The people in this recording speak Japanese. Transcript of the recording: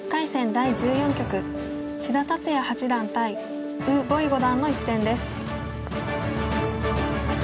第１４局志田達哉八段対呉柏毅五段の一戦です。